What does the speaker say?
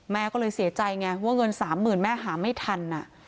แม่ก็เลยเสียใจไงว่าเงิน๓๐๐๐แม่หาไม่ทัน